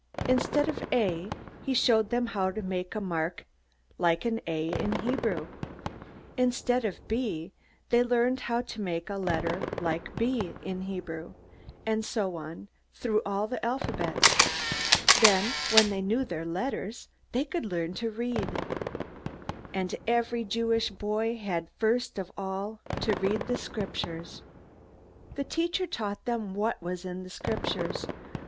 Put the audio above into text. Instead of A, he showed them how to make a mark like this: [Hebrew: a]. Instead of B, they learned to make this letter: [Hebrew: b]; and so on, through all the alphabet. Then when they knew their letters, they could learn to read. And every Jewish boy had first of all to read the Scriptures. The teacher taught them what was in the Scriptures.